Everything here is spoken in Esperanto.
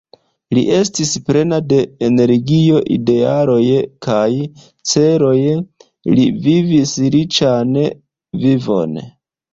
Li estis plena de energio, idealoj kaj celoj, li vivis riĉan vivon.